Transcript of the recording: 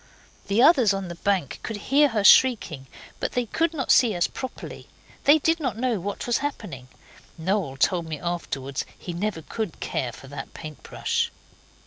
The others on the bank could hear her shrieking, but they could not see us properly; they did not know what was happening. Noel told me afterwards he never could care for that paint brush.